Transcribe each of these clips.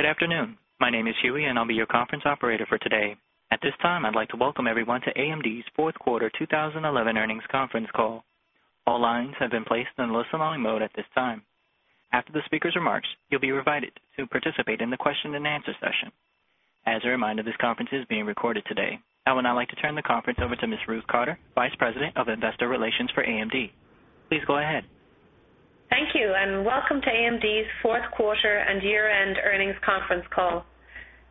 Good afternoon. My name is Huey, and I'll be your conference operator for today. At this time, I'd like to welcome everyone to AMD's Fourth Quarter 2011 Earnings Conference Call. All lines have been placed in listen-only mode at this time. After the speaker's remarks, you'll be invited to participate in the question and answer session. As a reminder, this conference is being recorded today. I would now like to turn the conference over to Ms. Ruth Cotter, Vice President of Investor Relations for AMD. Please go ahead. Thank you, and welcome to AMD's Fourth Quarter And Year-End Earnings Conference Call.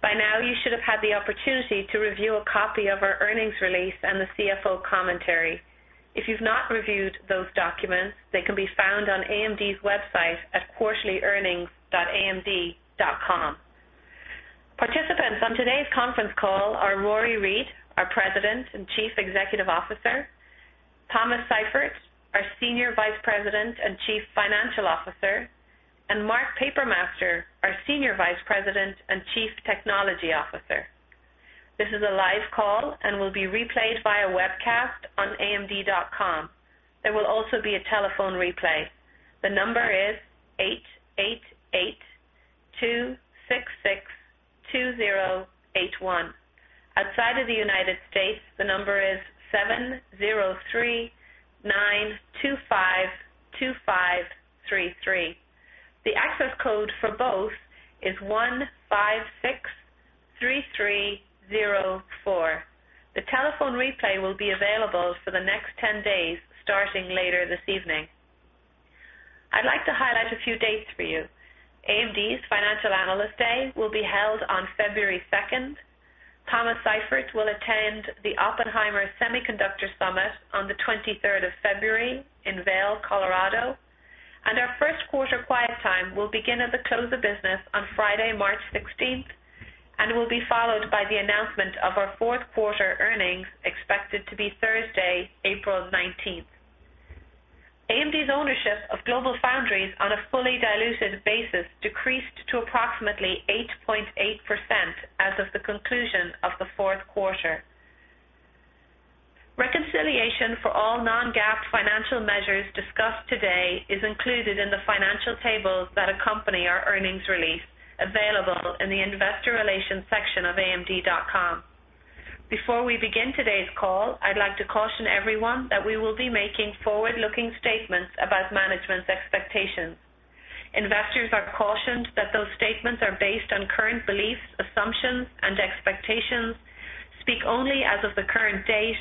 By now, you should have had the opportunity to review a copy of our earnings release and the CFO commentary. If you've not reviewed those documents, they can be found on AMD's website at quarterlyearnings.amd.com. Participants on today's conference call are Rory Read, our President and Chief Executive Officer, Thomas Seifert, our Senior Vice President and Chief Financial Officer, and Mark Papermaster, our Senior Vice President and Chief Technology Officer. This is a live call and will be replayed via webcast on AMD.com. There will also be a telephone replay. The number is 888-266-2081. Outside of the United States, the number is 703-925-2533. The access code for both is 156-3304. The telephone replay will be available for the next 10 days, starting later this evening. I'd like to highlight a few dates for you. AMD's Financial Analyst Day will be held on February 2nd. Thomas Seifert will attend the Oppenheimer Semiconductor Summit on the 23rd of February in Vail, Colorado. Our first quarter quiet time will begin at the close of business on Friday, March 16th, and will be followed by the announcement of our fourth quarter earnings, expected to be Thursday, April 19th. AMD's ownership of GlobalFoundries on a fully diluted basis decreased to approximately 8.8% as of the conclusion of the fourth quarter. Reconciliation for all non-GAAP financial measures discussed today is included in the financial tables that accompany our earnings release, available in the Investor Relations section of AMD.com. Before we begin today's call, I'd like to caution everyone that we will be making forward-looking statements about management's expectations. Investors are cautioned that those statements are based on current beliefs, assumptions, and expectations, speak only as of the current date,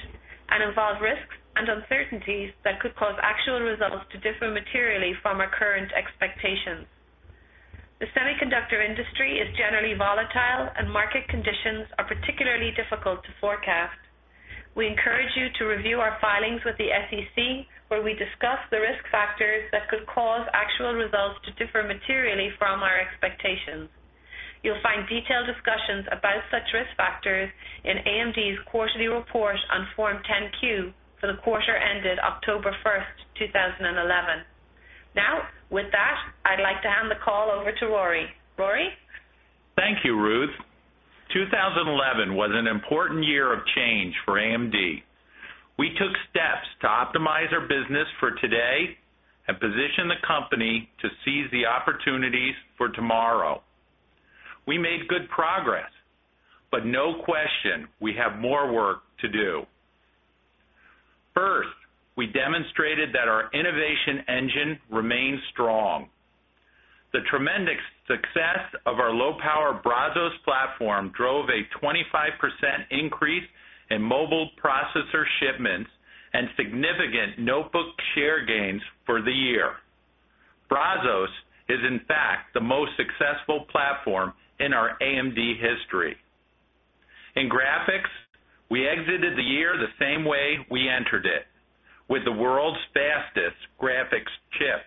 and involve risks and uncertainties that could cause actual results to differ materially from our current expectations. The semiconductor industry is generally volatile, and market conditions are particularly difficult to forecast. We encourage you to review our filings with the SEC, where we discuss the risk factors that could cause actual results to differ materially from our expectations. You'll find detailed discussions about such risk factors in AMD's quarterly report on Form 10-Q for the quarter ended October 1st, 2011. Now, with that, I'd like to hand the call over to Rory. Rory? Thank you, Ruth. 2011 was an important year of change for AMD. We took steps to optimize our business for today and position the company to seize the opportunities for tomorrow. We made good progress, but no question we have more work to do. First, we demonstrated that our innovation engine remains strong. The tremendous success of our low-power Brazos platform drove a 25% increase in mobile processor shipments and significant notebook share gains for the year. Brazos is, in fact, the most successful platform in our AMD history. In graphics, we exited the year the same way we entered it, with the world's fastest graphics chip.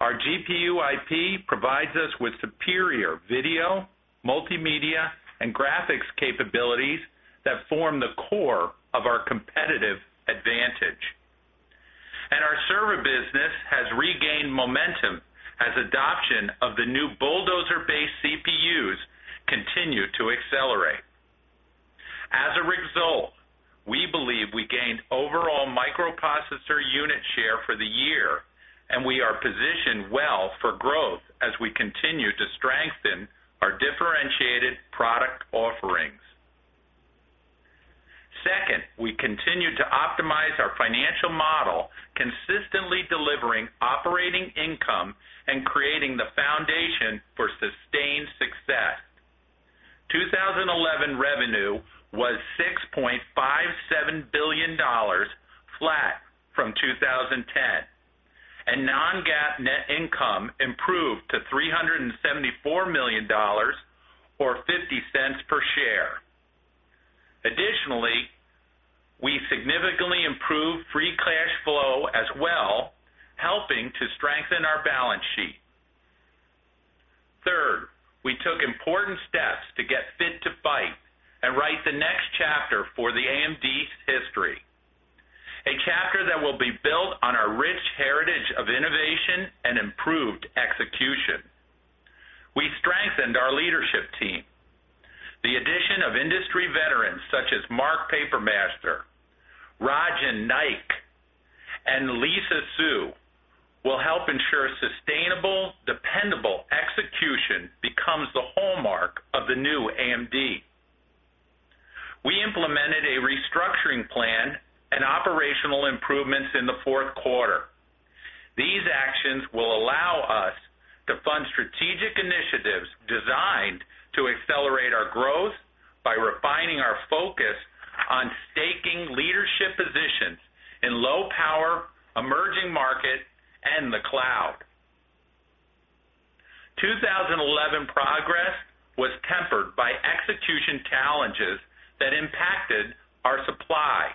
Our GPU IP provides us with superior video, multimedia, and graphics capabilities that form the core of our competitive advantage. Our server business has regained momentum as adoption of the new Bulldozer-based CPUs continues to accelerate. As a result, we believe we gained overall microprocessor unit share for the year, and we are positioned well for growth as we continue to strengthen our differentiated product offerings. Second, we continue to optimize our financial model, consistently delivering operating income and creating the foundation for sustained success. 2011 revenue was $6.57 billion, flat from 2010, and non-GAAP net income improved to $374 million, or $0.50 per share. Additionally, we significantly improved free cash flow as well, helping to strengthen our balance sheet. Third, we took important steps to get fit to fight and write the next chapter for AMD's history, a chapter that will be built on our rich heritage of innovation and improved execution. We strengthened our leadership team. The addition of industry veterans such as Mark Papermaster, Rajan Naik, and Lisa Su will help ensure sustainable, dependable execution becomes the hallmark of the new AMD. We implemented a restructuring plan and operational improvements in the fourth quarter. These actions will allow us to fund strategic initiatives designed to accelerate our growth by refining our focus on staking leadership positions in low-power, emerging markets, and the cloud. 2011 progress was tempered by execution challenges that impacted our supply.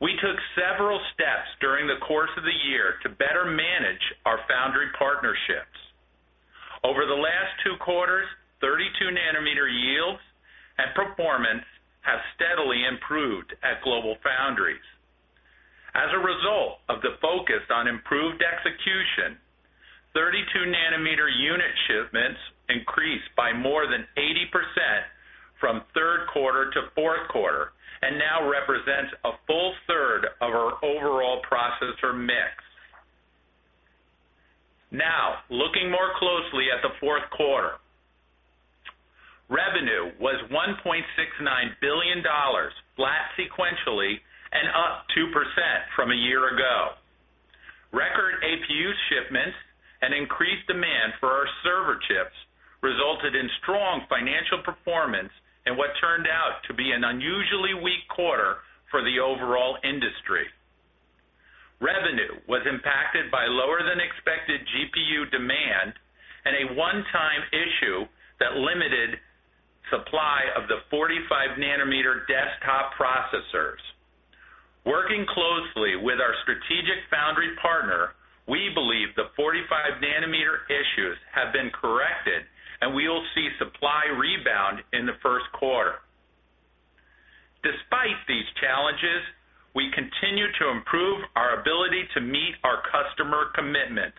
We took several steps during the course of the year to better manage our foundry partnerships. Over the last two quarters, 32 nm yields and performance have steadily improved at GlobalFoundries. As a result of the focus on improved execution, 32 nm unit shipments increased by more than 80% from third quarter to fourth quarter and now represents a full third of our overall processor mix. Now, looking more closely at the fourth quarter, revenue was $1.69 billion, flat sequentially and up 2% from a year ago. Record APU shipments and increased demand for our server chips resulted in strong financial performance in what turned out to be an unusually weak quarter for the overall industry. Revenue was impacted by lower-than-expected GPU demand and a one-time issue that limited supply of the 45 nm desktop processors. Working closely with our strategic foundry partner, we believe the 45 nm issues have been corrected, and we will see supply rebound in the first quarter. Despite these challenges, we continue to improve our ability to meet our customer commitments.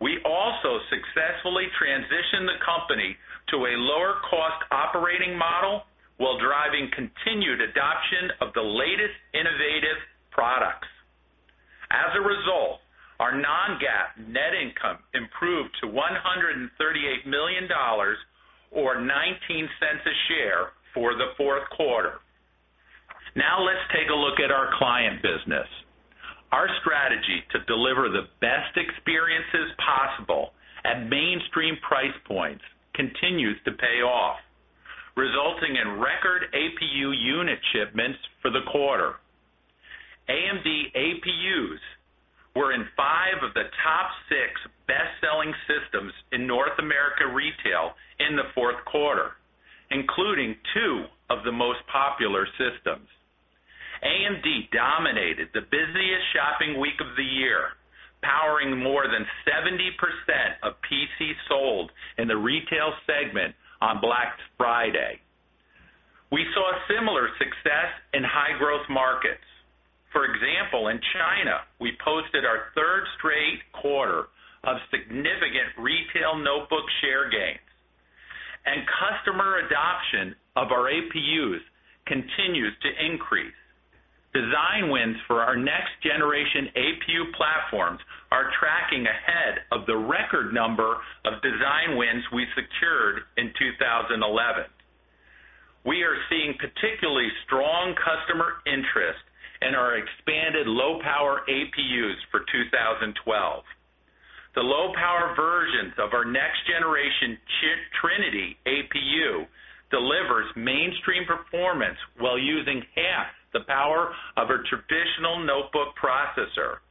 We also successfully transitioned the company to a lower-cost operating model while driving continued adoption of the latest innovative products. As a result, our non-GAAP net income improved to $138 million, or $0.19 a share for the fourth quarter. Now, let's take a look at our client business. Our strategy to deliver the best experiences possible at mainstream price points continues to pay off, resulting in record APU unit shipments for the quarter. AMD APUs were in five of the top six best-selling systems in North America retail in the fourth quarter, including two of the most popular systems. AMD dominated the busiest shopping week of the year, powering more than 70% of PCs sold in the retail segment on Black Friday. We saw similar success in high-growth markets. For example, in China, we posted our third straight quarter of significant retail notebook share gains, and customer adoption of our APUs continues to increase. Design wins for our next-generation APU platforms are tracking ahead of the record number of design wins we secured in 2011. We are seeing particularly strong customer interest in our expanded low-power APUs for 2012. The low-power versions of our next-generation Trinity APU deliver mainstream performance while using half the power of a traditional notebook processor.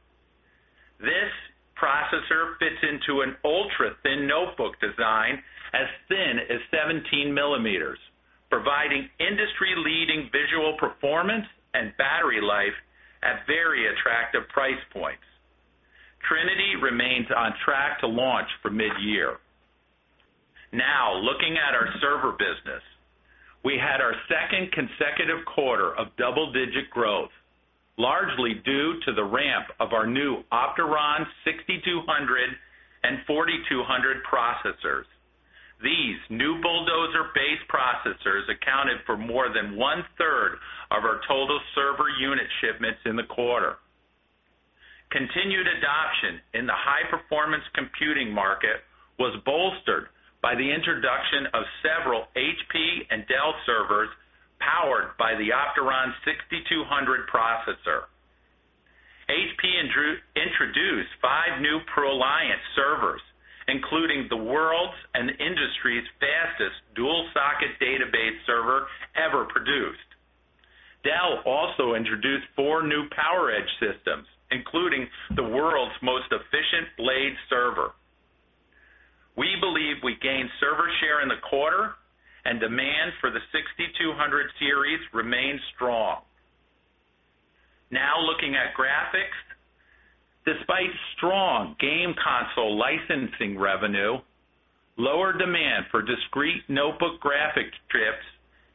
This processor fits into an ultra-thin notebook design as thin as 17 mm, providing industry-leading visual performance and battery life at very attractive price points. Trinity remains on track to launch for mid-year. Now, looking at our server business, we had our second consecutive quarter of double-digit growth, largely due to the ramp of our new Opteron 6200 and 4200 processors. These new Bulldozer-based processors accounted for more than 1/3 of our total server unit shipments in the quarter. Continued adoption in the high-performance computing market was bolstered by the introduction of several HP and Dell servers powered by the Opteron 6200 processor. HP introduced five new ProLiant servers, including the world's and industry's fastest dual-socket database server ever produced. Dell also introduced four new PowerEdge systems, including the world's most efficient Blade server. We believe we gained server share in the quarter, and demand for the 6200 series remains strong. Now, looking at graphics, despite strong game console licensing revenue, lower demand for discrete notebook graphics chips,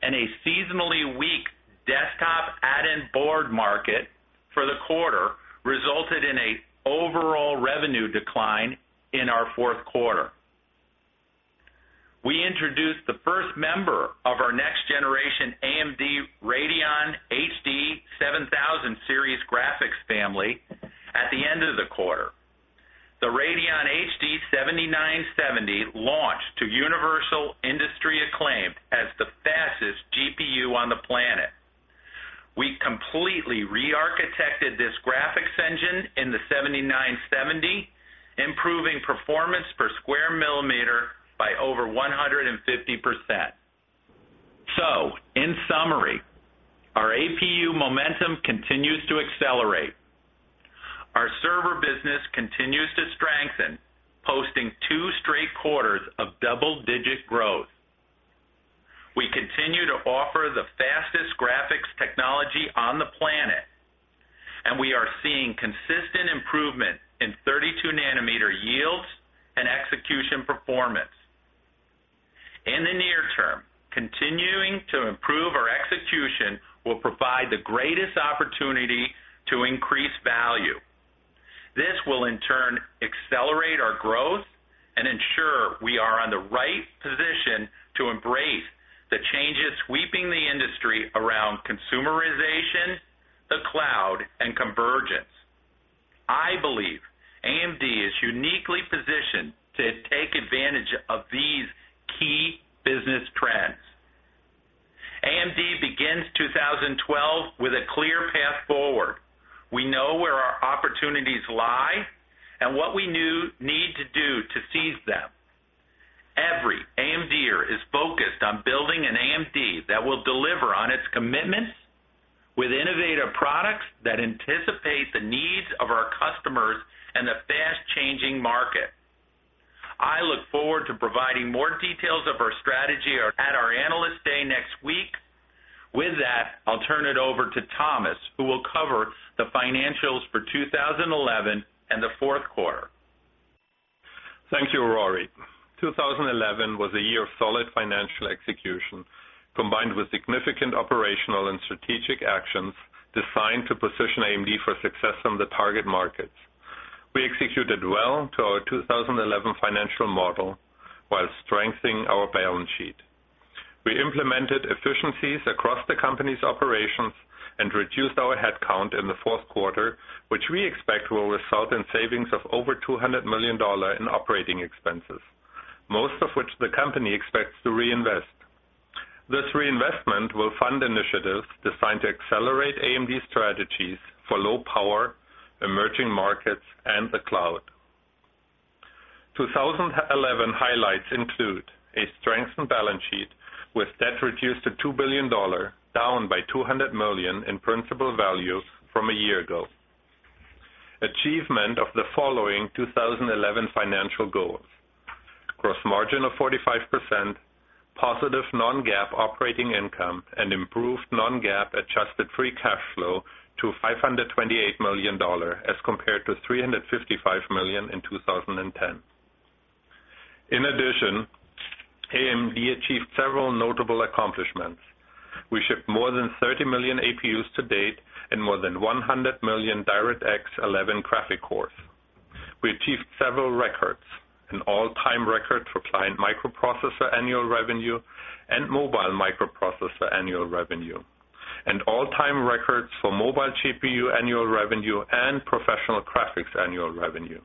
and a seasonally weak desktop add-in board market for the quarter resulted in an overall revenue decline in our fourth quarter. We introduced the first member of our next-generation AMD Radeon HD 7000 series graphics family at the end of the quarter. The Radeon HD 7970 launched to universal industry acclaim as the fastest GPU on the planet. We completely re-architected this graphics engine in the 7970, improving performance per square millimeter by over 150%. In summary, our APU momentum continues to accelerate. Our server business continues to strengthen, posting two straight quarters of double-digit growth. We continue to offer the fastest graphics technology on the planet, and we are seeing consistent improvement in 32 nm yields and execution performance. In the near term, continuing to improve our execution will provide the greatest opportunity to increase value. This will, in turn, accelerate our growth and ensure we are in the right position to embrace the changes sweeping the industry around consumerization, the cloud, and convergence. I believe AMD is uniquely positioned to take advantage of these key business trends. AMD begins 2012 with a clear path forward. We know where our opportunities lie and what we need to do to seize them. Every AMDer is focused on building an AMD that will deliver on its commitments with innovative products that anticipate the needs of our customers and the fast-changing market. I look forward to providing more details of our strategy at our analyst day next week. With that, I'll turn it over to Thomas, who will cover the financials for 2011 and the fourth quarter. Thank you, Rory. 2011 was a year of solid financial execution, combined with significant operational and strategic actions designed to position AMD for success in the target markets. We executed well to our 2011 financial model while strengthening our balance sheet. We implemented efficiencies across the company's operations and reduced our headcount in the fourth quarter, which we expect will result in savings of over $200 million in operating expenses, most of which the company expects to reinvest. This reinvestment will fund initiatives designed to accelerate AMD's strategies for low-power, emerging markets, and the cloud. 2011 highlights include a strengthened balance sheet with debt reduced to $2 billion, down by $200 million in principal value from a year ago. Achievement of the following 2011 financial goals: gross margin of 45%, positive non-GAAP operating income, and improved non-GAAP adjusted free cash flow to $528 million as compared to $355 million in 2010. In addition, AMD achieved several notable accomplishments. We shipped more than 30 million APUs to date and more than 100 million DirectX 11 graphic cores. We achieved several records: an all-time record for client microprocessor annual revenue and mobile microprocessor annual revenue, and all-time records for mobile GPU annual revenue and professional graphics annual revenue.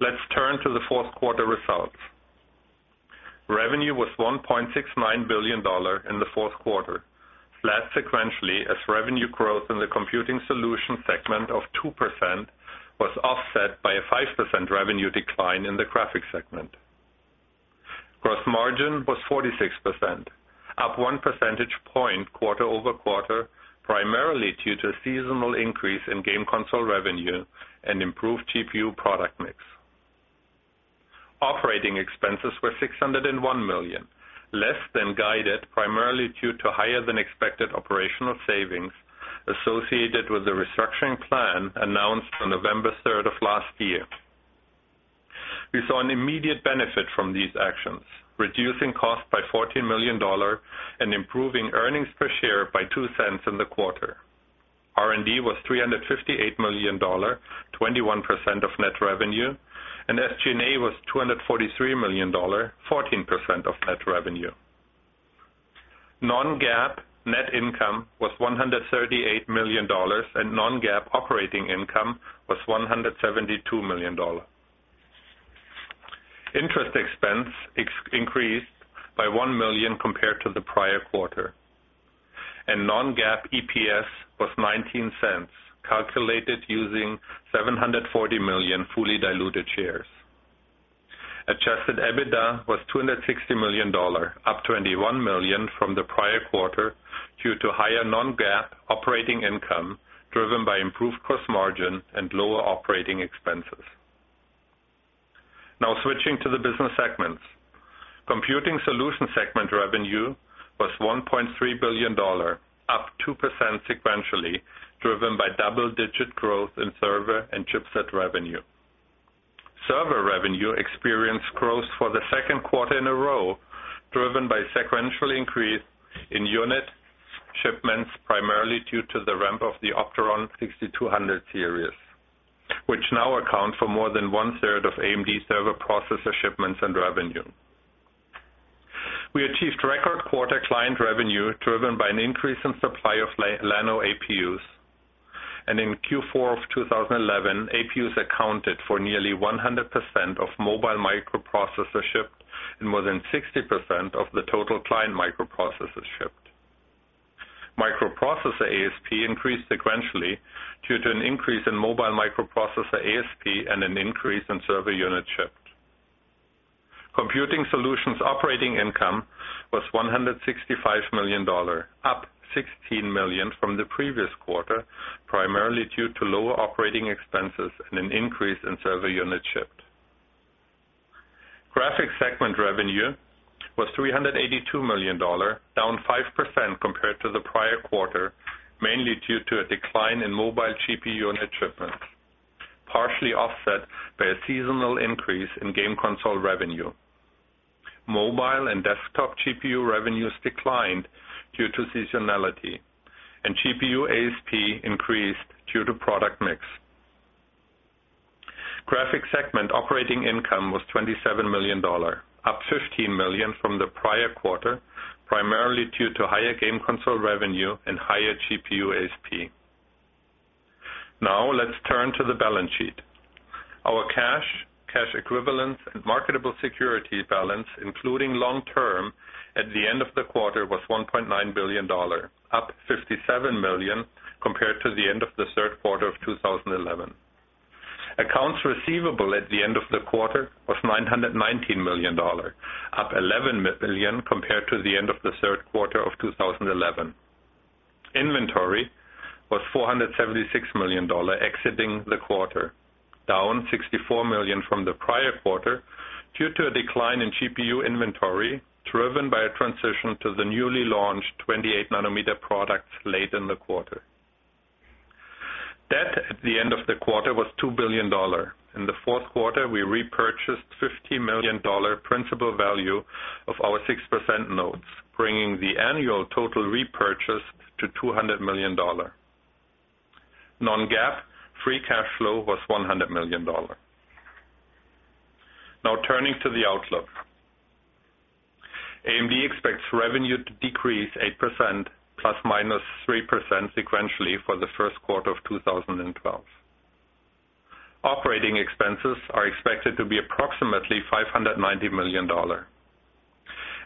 Let's turn to the fourth quarter results. Revenue was $1.69 billion in the fourth quarter. Flat sequentially, as revenue growth in the computing solution segment of 2% was offset by a 5% revenue decline in the graphics segment. Gross margin was 46%, up 1 percentage point quarter-over-quarter, primarily due to a seasonal increase in game console revenue and improved GPU product mix. Operating expenses were $601 million, less than guided primarily due to higher-than-expected operational savings associated with the restructuring plan announced on November 3rd of last year. We saw an immediate benefit from these actions, reducing costs by $14 million and improving earnings per share by $0.02 in the quarter. R&D was $358 million, 21% of net revenue, and SG&A was $243 million, 14% of net revenue. Non-GAAP net income was $138 million, and non-GAAP operating income was $172 million. Interest expense increased by $1 million compared to the prior quarter, and non-GAAP EPS was $0.19, calculated using 740 million fully diluted shares. Adjusted EBITDA was $260 million, up $21 million from the prior quarter due to higher non-GAAP operating income driven by improved gross margin and lower operating expenses. Now, switching to the business segments. Computing Solutions segment revenue was $1.3 billion, up 2% sequentially, driven by double-digit growth in server and chipset revenue. Server revenue experienced growth for the second quarter in a row, driven by a sequential increase in unit shipments, primarily due to the ramp of the Opteron 6200 series, which now accounts for more than 1/3 of AMD server processor shipments and revenue. We achieved record quarter client revenue driven by an increase in supply of Llano APUs, and in Q4 of 2011, APUs accounted for nearly 100% of mobile microprocessors shipped and more than 60% of the total client microprocessors shipped. Microprocessor ASP increased sequentially due to an increase in mobile microprocessor ASP and an increase in server units shipped. Computing Solutions operating income was $165 million, up $16 million from the previous quarter, primarily due to lower operating expenses and an increase in server units shipped. Graphics segment revenue was $382 million, down 5% compared to the prior quarter, mainly due to a decline in mobile GPU unit shipments, partially offset by a seasonal increase in game console revenue. Mobile and desktop GPU revenues declined due to seasonality, and GPU ASP increased due to product mix. Graphics segment operating income was $27 million, up $15 million from the prior quarter, primarily due to higher game console revenue and higher GPU ASP. Now, let's turn to the balance sheet. Our cash, cash equivalents, and marketable security balance, including long-term, at the end of the quarter was $1.9 billion, up $57 million compared to the end of the third quarter of 2011. Accounts receivable at the end of the quarter was $919 million, up $11 million compared to the end of the third quarter of 2011. Inventory was $476 million exiting the quarter, down $64 million from the prior quarter due to a decline in GPU inventory, driven by a transition to the newly launched 28 nm products late in the quarter. Debt at the end of the quarter was $2 billion. In the fourth quarter, we repurchased $50 million principal value of our 6% notes, bringing the annual total repurchase to $200 million. Non-GAAP free cash flow was $100 million. Now, turning to the outlook. AMD expects revenue to decrease 8%, ±3% sequentially for the first quarter of 2012. Operating expenses are expected to be approximately $590 million,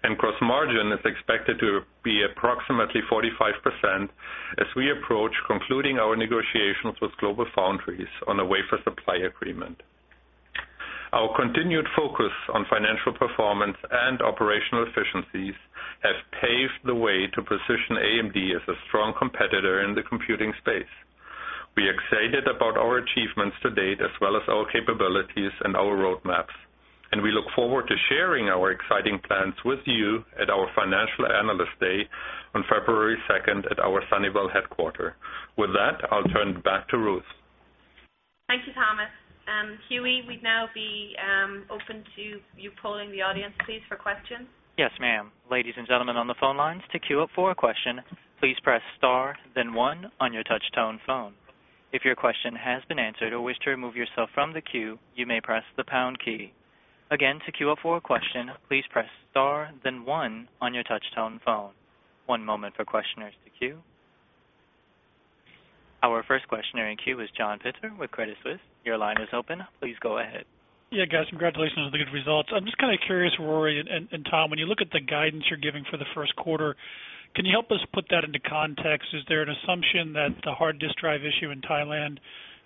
and gross margin is expected to be approximately 45% as we approach concluding our negotiations with GlobalFoundries on a wafer supply agreement. Our continued focus on financial performance and operational efficiencies has paved the way to position AMD as a strong competitor in the computing space. We are excited about our achievements to date, as well as our capabilities and our roadmaps, and we look forward to sharing our exciting plans with you at our Financial Analyst Day on February 2nd at our Sunnyvale headquarters. With that, I'll turn it back to Ruth. Thank you, Thomas. Huey, we'd now be open to you polling the audience, please, for questions. Yes, ma'am. Ladies and gentlemen on the phone lines, to queue up for a question, please press star, then one on your touch-tone phone. If your question has been answered or wish to remove yourself from the queue, you may press the pound key. Again, to queue up for a question, please press star, then one on your touch-tone phone. One moment for questioners to queue. Our first questioner in queue is John Pitzer with Credit Suisse. Your line is open. Please go ahead. Yeah, guys, congratulations on the good results. I'm just kind of curious, Rory and Tom, when you look at the guidance you're giving for the first quarter, can you help us put that into context? Is there an assumption that the hard disk drive issue in Thailand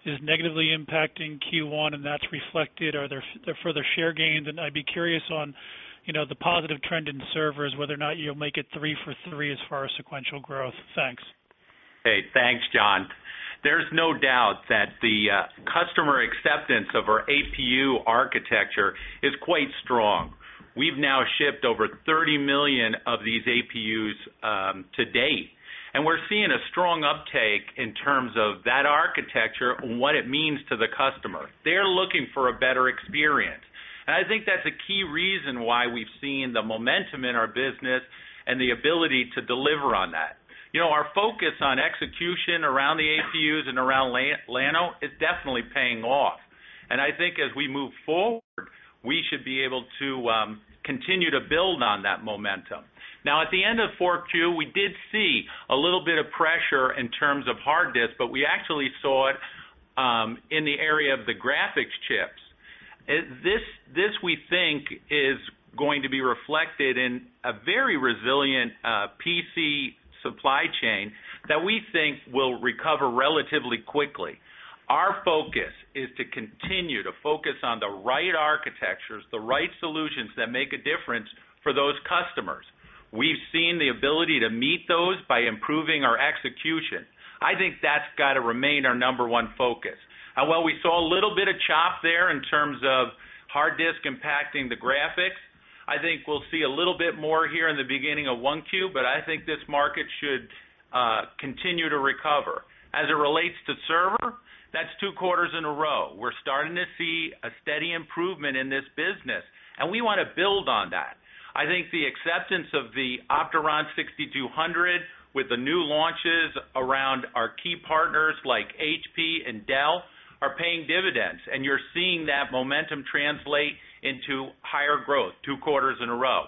is negatively impacting Q1, and that's reflected? Are there further share gains? I'd be curious on, you know, the positive trend in servers, whether or not you'll make it three for three as far as sequential growth. Thanks. Hey, thanks, John. There's no doubt that the customer acceptance of our APU architecture is quite strong. We've now shipped over 30 million of these APUs to date, and we're seeing a strong uptake in terms of that architecture and what it means to the customer. They're looking for a better experience. I think that's a key reason why we've seen the momentum in our business and the ability to deliver on that. Our focus on execution around the APUs and around Llano is definitely paying off. I think as we move forward, we should be able to continue to build on that momentum. At the end of the fourth quarter, we did see a little bit of pressure in terms of hard disk, but we actually saw it in the area of the graphics chips. This, we think, is going to be reflected in a very resilient PC supply chain that we think will recover relatively quickly. Our focus is to continue to focus on the right architectures, the right solutions that make a difference for those customers. We've seen the ability to meet those by improving our execution. I think that's got to remain our number one focus. While we saw a little bit of chop there in terms of hard disk impacting the graphics, I think we'll see a little bit more here in the beginning of 1Q, but I think this market should continue to recover. As it relates to server, that's two quarters in a row. We're starting to see a steady improvement in this business, and we want to build on that. I think the acceptance of the Opteron 6200 with the new launches around our key partners like HP and Dell are paying dividends, and you're seeing that momentum translate into higher growth, two quarters in a row.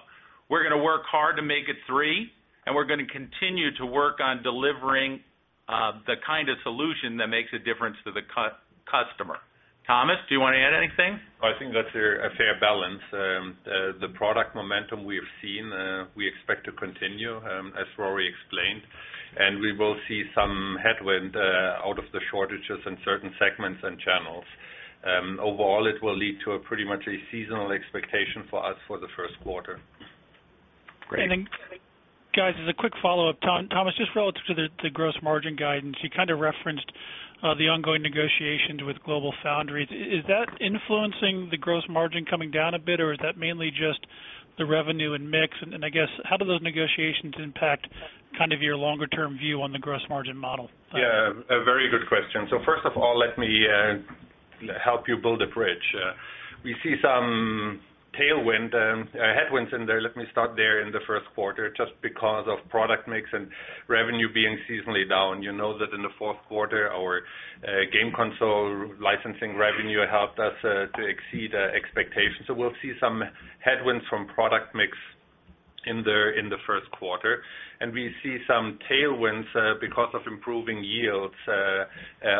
We're going to work hard to make it three, and we're going to continue to work on delivering the kind of solution that makes a difference to the customer. Thomas, do you want to add anything? I think that's a fair balance. The product momentum we have seen, we expect to continue, as Rory explained, and we will see some headwind out of the shortages in certain segments and channels. Overall, it will lead to pretty much a seasonal expectation for us for the first quarter. As a quick follow-up, Thomas, just relative to the gross margin guidance, you kind of referenced the ongoing negotiations with GlobalFoundries. Is that influencing the gross margin coming down a bit, or is that mainly just the revenue and mix? How do those negotiations impact kind of your longer-term view on the gross margin model? Yeah, a very good question. First of all, let me help you build a bridge. We see some tailwinds and headwinds in there. Let me start there in the first quarter, just because of product mix and revenue being seasonally down. You know that in the fourth quarter, our game console licensing revenue helped us to exceed expectations. We will see some headwinds from product mix in the first quarter, and we see some tailwinds because of improving yields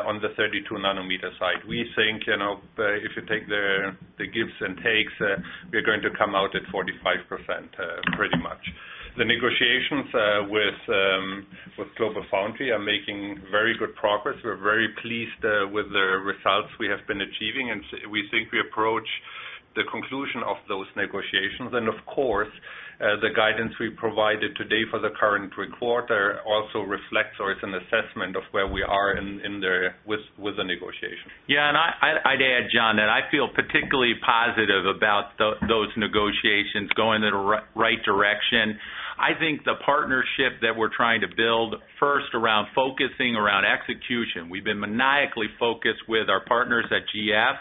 on the 32 nm side. We think, if you take the gives and takes, we are going to come out at 45% pretty much. The negotiations with GlobalFoundries are making very good progress. We're very pleased with the results we have been achieving, and we think we approach the conclusion of those negotiations. Of course, the guidance we provided today for the current quarter also reflects or is an assessment of where we are in there with the negotiation. Yeah, and I'd add, John, that I feel particularly positive about those negotiations going in the right direction. I think the partnership that we're trying to build, first around focusing around execution, we've been maniacally focused with our partners at GF,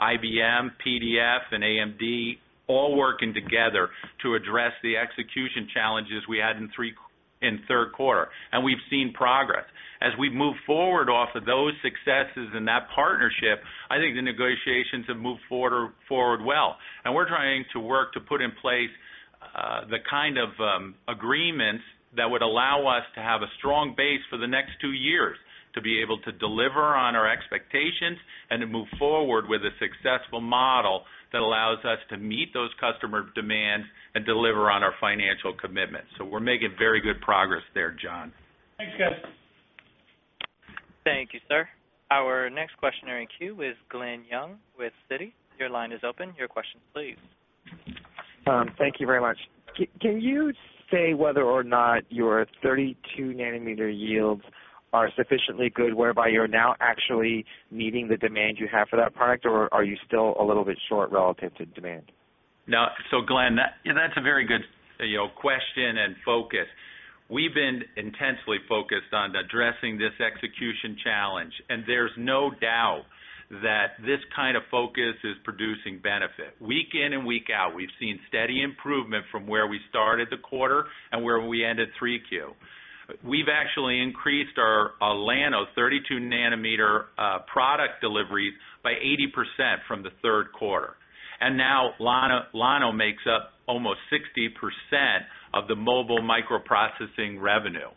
IBM, PDF, and AMD, all working together to address the execution challenges we had in the third quarter, and we've seen progress. As we move forward off of those successes in that partnership, I think the negotiations have moved forward well, and we're trying to work to put in place the kind of agreements that would allow us to have a strong base for the next two years, to be able to deliver on our expectations and to move forward with a successful model that allows us to meet those customer demands and deliver on our financial commitments. We're making very good progress there, John. Thanks, guys. Thank you, sir. Our next questioner in queue is Glen Yeung with Citi. Your line is open. Your question, please. Thank you very much. Can you say whether or not your 32 nm yields are sufficiently good whereby you're now actually meeting the demand you have for that product, or are you still a little bit short relative to demand? Now, Glen, that's a very good question and focus. We've been intensely focused on addressing this execution challenge, and there's no doubt that this kind of focus is producing benefit. Week in and week out, we've seen steady improvement from where we started the quarter and where we ended 3Q. We've actually increased our Llano 32 nm product deliveries by 80% from the third quarter, and now Llano makes up almost 60% of the mobile microprocessing revenue.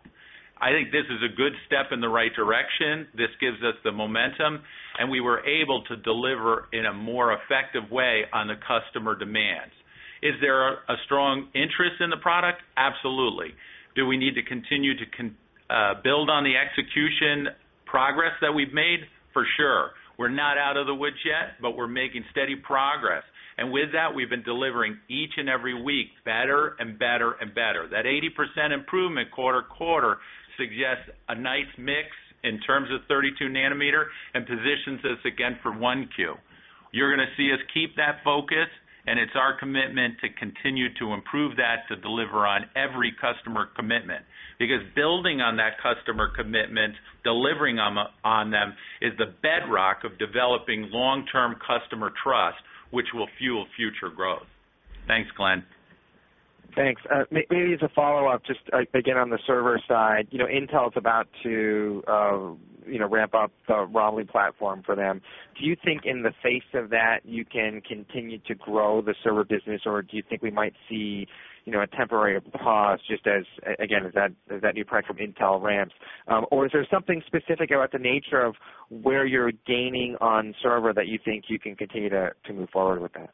I think this is a good step in the right direction. This gives us the momentum, and we were able to deliver in a more effective way on the customer demands. Is there a strong interest in the product? Absolutely. Do we need to continue to build on the execution progress that we've made? For sure. We're not out of the woods yet, but we're making steady progress. We've been delivering each and every week better and better and better. That 80% improvement quarter-over-quarter suggests a nice mix in terms of 32 nm and positions us again for 1Q. You're going to see us keep that focus, and it's our commitment to continue to improve that to deliver on every customer commitment. Because building on that customer commitment, delivering on them, is the bedrock of developing long-term customer trust, which will fuel future growth. Thanks, Glen. Thanks. Maybe as a follow-up, just again on the server side, you know, Intel is about to ramp up the ROM platform for them. Do you think in the face of that you can continue to grow the server business, or do you think we might see a temporary pause just as, again, as that new product from Intel ramps? Is there something specific about the nature of where you're gaining on server that you think you can continue to move forward with that?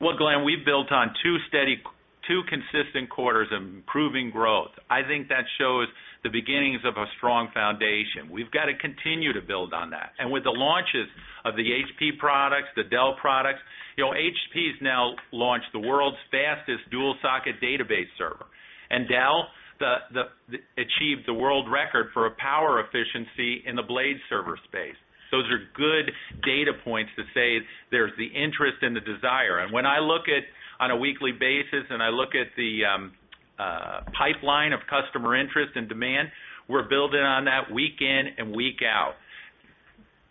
Glen, we've built on two steady, two consistent quarters of improving growth. I think that shows the beginnings of a strong foundation. We've got to continue to build on that. With the launches of the HP products, the Dell products, you know, HP has now launched the world's fastest dual-socket database server, and Dell achieved the world record for power efficiency in the Blade server space. Those are good data points to say there's the interest and the desire. When I look at, on a weekly basis, and I look at the pipeline of customer interest and demand, we're building on that week in and week out.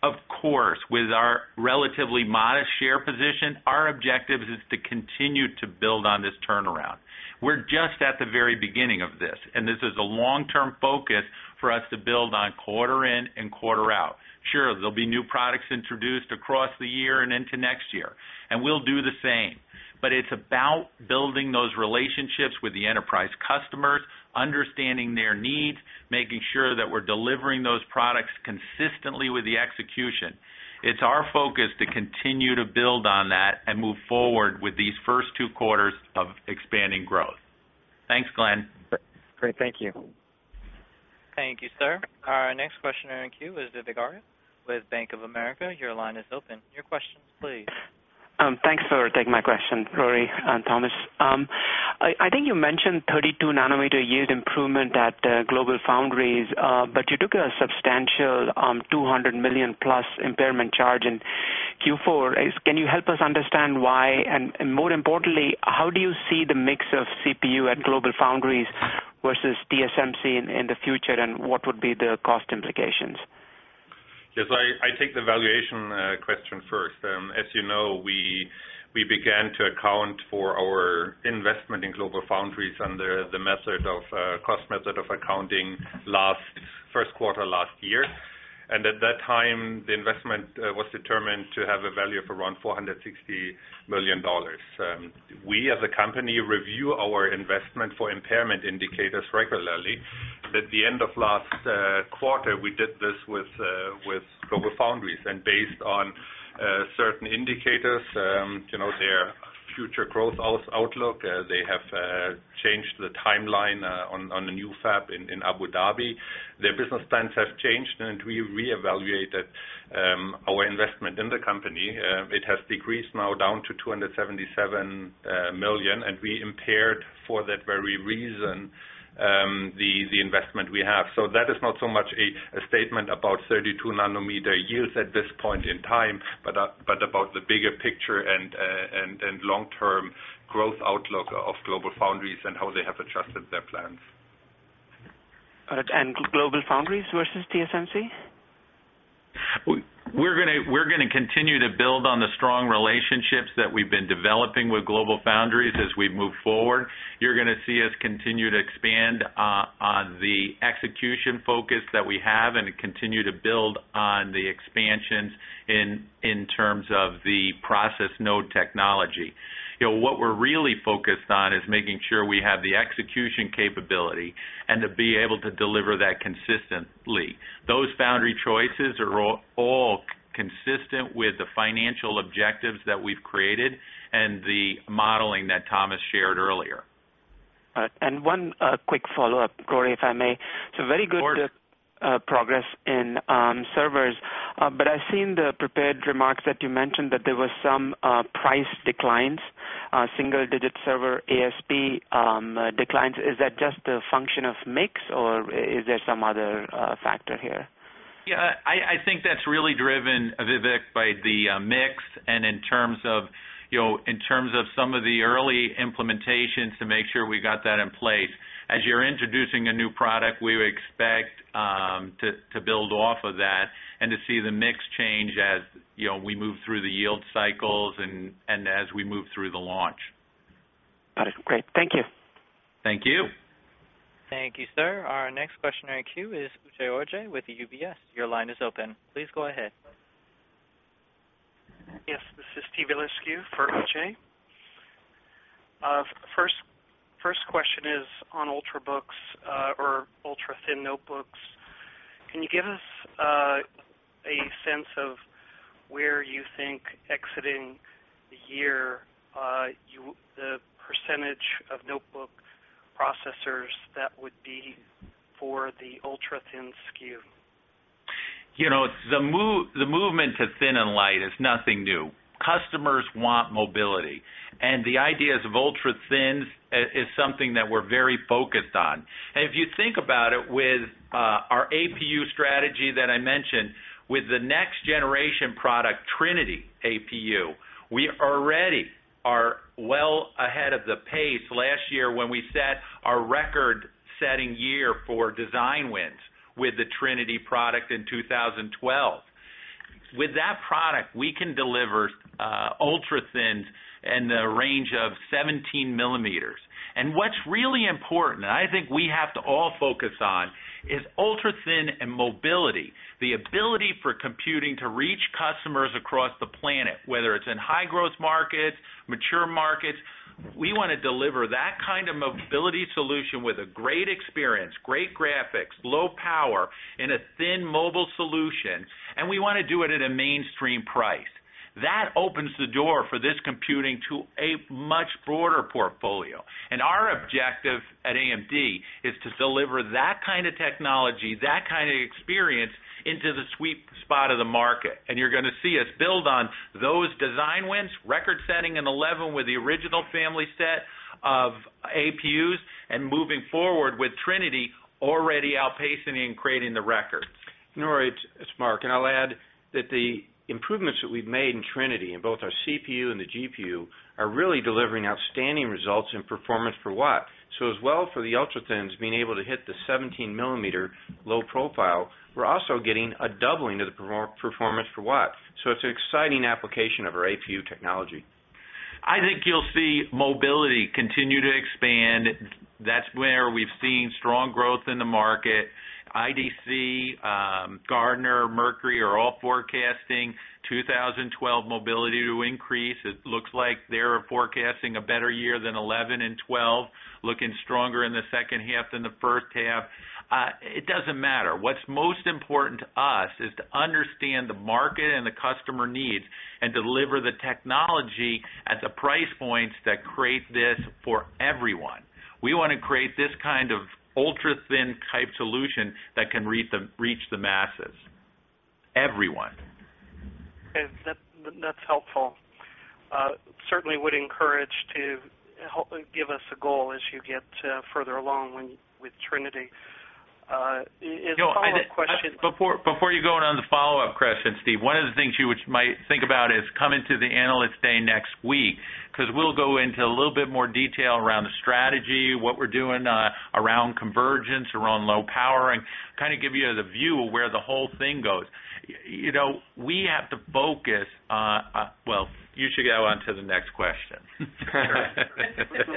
Of course, with our relatively modest share position, our objectives are to continue to build on this turnaround. We're just at the very beginning of this, and this is a long-term focus for us to build on quarter in and quarter out. There'll be new products introduced across the year and into next year, and we'll do the same. It's about building those relationships with the enterprise customers, understanding their needs, making sure that we're delivering those products consistently with the execution. It's our focus to continue to build on that and move forward with these first two quarters of expanding growth. Thanks, Glen. Great, thank you. Thank you, sir. Our next questioner in queue is Vivek Arya with Bank of America. Your line is open. Your questions, please. Thanks for taking my question, Rory and Thomas. I think you mentioned 32 nm yield improvement at GlobalFoundries, but you took a substantial $200+ million impairment charge in Q4. Can you help us understand why? More importantly, how do you see the mix of CPU at GlobalFoundries versus TSMC in the future, and what would be the cost implications? Yes, I take the valuation question first. As you know, we began to account for our investment in GlobalFoundries under the cost method of accounting last first quarter last year. At that time, the investment was determined to have a value of around $460 million. We, as a company, review our investment for impairment indicators regularly. At the end of last quarter, we did this with GlobalFoundries. Based on certain indicators, you know, their future growth outlook, they have changed the timeline on a new fab in Abu Dhabi. Their business plans have changed, and we reevaluated our investment in the company. It has decreased now down to $277 million, and we impaired for that very reason the investment we have. That is not so much a statement about 32 nm yields at this point in time, but about the bigger picture and long-term growth outlook of GlobalFoundries and how they have adjusted their plans. GlobalFoundries versus TSMC? We're going to continue to build on the strong relationships that we've been developing with GlobalFoundries as we move forward. You're going to see us continue to expand on the execution focus that we have and continue to build on the expansions in terms of the process node technology. What we're really focused on is making sure we have the execution capability and to be able to deliver that consistently. Those foundry choices are all consistent with the financial objectives that we've created and the modeling that Thomas shared earlier. One quick follow-up, Rory, if I may. Very good progress in servers, but I've seen the prepared remarks that you mentioned that there were some price declines, single-digit server ASP declines. Is that just a function of mix, or is there some other factor here? Yeah, I think that's really driven a bit by the mix, and in terms of some of the early implementations, to make sure we got that in place. As you're introducing a new product, we expect to build off of that and to see the mix change as we move through the yield cycles and as we move through the launch. Got it. Great. Thank you. Thank you. Thank you, sir. Our next questioner in queue is [Uche Ojay] with UBS. Your line is open. Please go ahead. Yes, this is Steven Eliscu for [Uche]. First question is on ultrabooks or ultra-thin notebooks. Can you give us a sense of where you think exiting the year, the % of notebook processors that would be for the ultra-thin SKU? You know, the movement to thin and light is nothing new. Customers want mobility, and the ideas of ultra-thins is something that we're very focused on. If you think about it with our APU strategy that I mentioned, with the next-generation product, Trinity APU, we already are well ahead of the pace last year when we set our record-setting year for design wins with the Trinity product in 2012. With that product, we can deliver ultra-thins in the range of 17 mm. What's really important, and I think we have to all focus on, is ultra-thin and mobility, the ability for computing to reach customers across the planet, whether it's in high-growth markets or mature markets. We want to deliver that kind of mobility solution with a great experience, great graphics, low power, in a thin mobile solution, and we want to do it at a mainstream price. That opens the door for this computing to a much broader portfolio. Our objective at AMD is to deliver that kind of technology, that kind of experience into the sweet spot of the market. You're going to see us build on those design wins, record-setting in 2011 with the original family set of APUs, and moving forward with Trinity already outpacing and creating the record. Rory, it's Mark, and I'll add that the improvements that we've made in Trinity in both our CPU and the GPU are really delivering outstanding results in performance per watt. As well, for the ultra-thins being able to hit the 17 mm low profile, we're also getting a doubling of the performance per watt. It's an exciting application of our APU technology. I think you'll see mobility continue to expand. That's where we've seen strong growth in the market. IDC, Gartner, Mercury are all forecasting 2012 mobility to increase. It looks like they're forecasting a better year than 2011 and 2012, looking stronger in the second half than the first half. It doesn't matter. What's most important to us is to understand the market and the customer needs and deliver the technology at the price points that create this for everyone. We want to create this kind of ultra-thin type solution that can reach the masses, everyone. That's helpful. Certainly would encourage you to give us a goal as you get further along with Trinity. Before you go on to the follow-up question, Steve, one of the things you might think about is coming to the analyst day next week, because we'll go into a little bit more detail around the strategy, what we're doing around convergence, around low powering, kind of give you the view of where the whole thing goes. We have to focus on, you should go on to the next question. I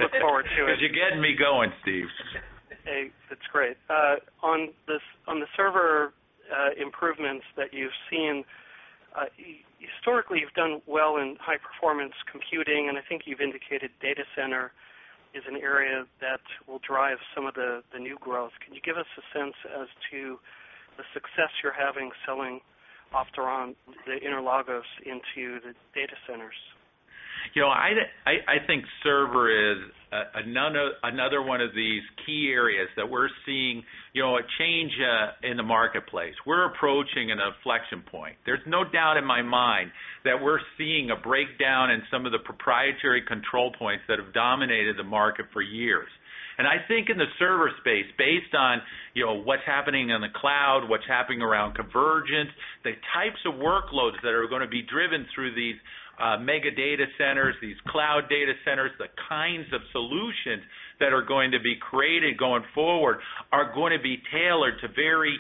look forward to it. Because you're getting me going, Steve. Hey, that's great. On the server improvements that you've seen, historically, you've done well in high-performance computing, and I think you've indicated data center is an area that will drive some of the new growth. Can you give us a sense as to the success you're having selling Opteron, the Interlagos, into the data centers? You know, I think server is another one of these key areas that we're seeing a change in the marketplace. We're approaching an inflection point. There's no doubt in my mind that we're seeing a breakdown in some of the proprietary control points that have dominated the market for years. I think in the server space, based on what's happening in the cloud, what's happening around convergence, the types of workloads that are going to be driven through these mega data centers, these cloud data centers, the kinds of solutions that are going to be created going forward are going to be tailored to very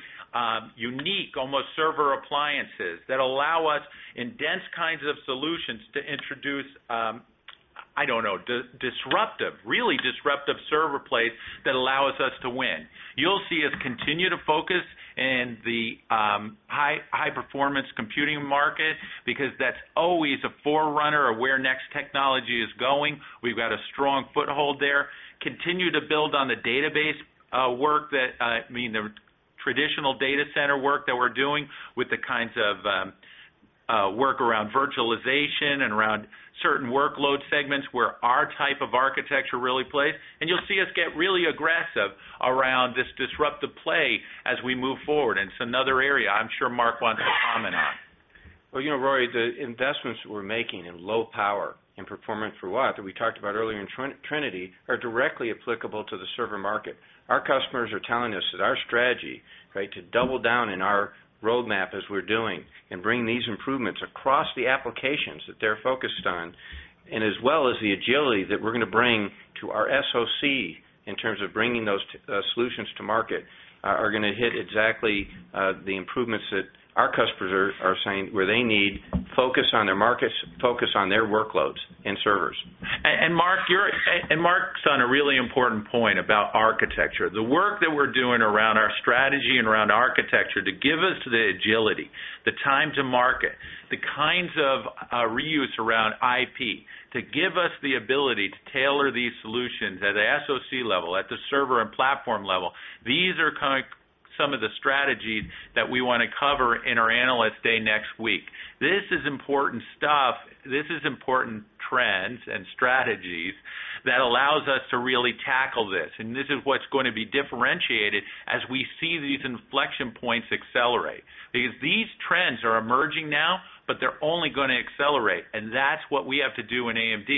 unique, almost server appliances that allow us in dense kinds of solutions to introduce, I don't know, disruptive, really disruptive server plates that allow us to win. You'll see us continue to focus in the high-performance computing market because that's always a forerunner of where next technology is going. We've got a strong foothold there. Continue to build on the database work that, I mean, the traditional data center work that we're doing with the kinds of work around virtualization and around certain workload segments where our type of architecture really plays. You'll see us get really aggressive around this disruptive play as we move forward. It's another area I'm sure Mark wants to comment on. Rory, the investments that we're making in low power and performance per watt, that we talked about earlier in Trinity, are directly applicable to the server market. Our customers are telling us that our strategy to double down in our roadmap as we're doing and bring these improvements across the applications that they're focused on, as well as the agility that we're going to bring to our SOC in terms of bringing those solutions to market, are going to hit exactly the improvements that our customers are saying where they need focus on their markets, focus on their workloads and servers. Mark's on a really important point about architecture. The work that we're doing around our strategy and around architecture to give us the agility, the time to market, the kinds of reuse around IP, to give us the ability to tailor these solutions at the SOC level, at the server and platform level, these are some of the strategies that we want to cover in our analyst day next week. This is important stuff. These are important trends and strategies that allow us to really tackle this. This is what's going to be differentiated as we see these inflection points accelerate. These trends are emerging now, but they're only going to accelerate. That's what we have to do in AMD.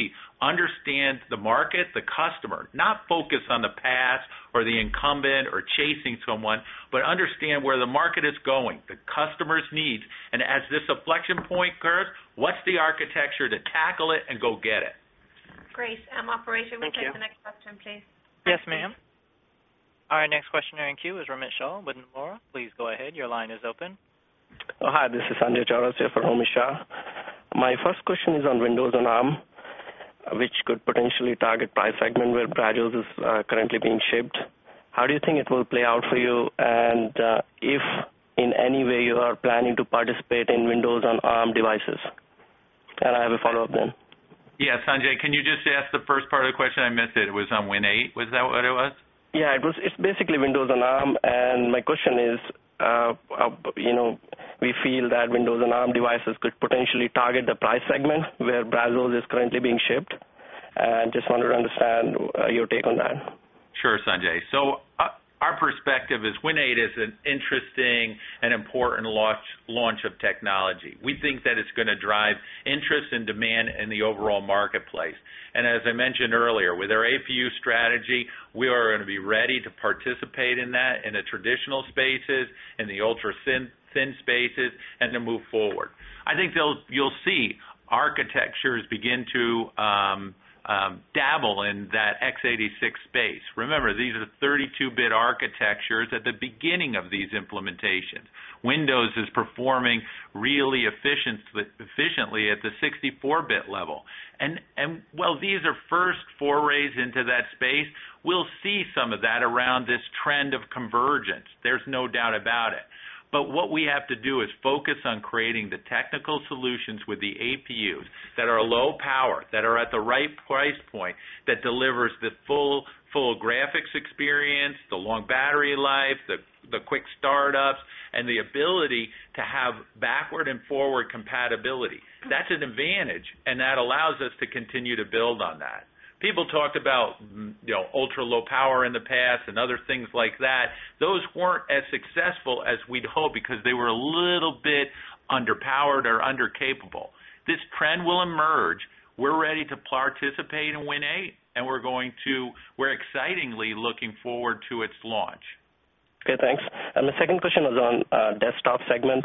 Understand the market, the customer. Not focus on the past or the incumbent or chasing someone, but understand where the market is going, the customer's needs, and as this inflection point curves, what's the architecture to tackle it and go get it? Operator the next question, please. Yes, ma'am. Our next questioner in queue is [Ramesh Shah] with Nomura. Please go ahead. Your line is open. Oh, hi. This is Sanjay Chaurasia here for [Ramesh Shah]. My first question is on Windows on ARM, which could potentially target price segment where Brazos is currently being shipped. How do you think it will play out for you and if in any way you are planning to participate in Windows on ARM devices? I have a follow-up one. Yeah, Sanjay, can you just ask the first part of the question? I missed it. It was on Windows 8. Was that what it was? Yeah, it was basically Windows on ARM. My question is, you know, we feel that Windows on ARM devices could potentially target the price segment where Brazos is currently being shipped. I just wanted to understand your take on that. Sure, Sanjay. Our perspective is Win 8 is an interesting and important launch of technology. We think that it's going to drive interest and demand in the overall marketplace. As I mentioned earlier, with our APU strategy, we are going to be ready to participate in that in the traditional spaces, in the ultra-thin spaces, and to move forward. I think you'll see architectures begin to dabble in that x86 space. Remember, these are 32-bit architectures at the beginning of these implementations. Windows is performing really efficiently at the 64-bit level. While these are first forays into that space, we'll see some of that around this trend of convergence. There's no doubt about it. What we have to do is focus on creating the technical solutions with the APUs that are low power, that are at the right price point, that deliver the full graphics experience, the long battery life, the quick startups, and the ability to have backward and forward compatibility. That's an advantage, and that allows us to continue to build on that. People talked about ultra-low power in the past and other things like that. Those weren't as successful as we'd hoped because they were a little bit underpowered or under-capable. This trend will emerge. We're ready to participate in Win 8, and we're excitingly looking forward to its launch. Okay, thanks. My second question is on desktop segment.